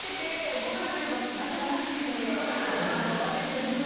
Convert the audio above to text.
ご飯食べる場所がなかったので。